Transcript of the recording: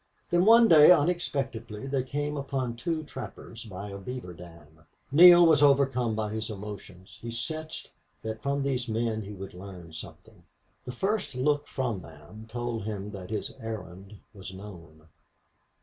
Then one day, unexpectedly, they came upon two trappers by a beaver dam. Neale was overcome by his emotion; he sensed that from these men he would learn something. The first look from them told him that his errand was known.